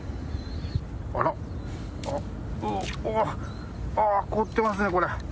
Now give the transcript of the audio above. あら、あっ、うおっ、ああ、凍ってますね、これ。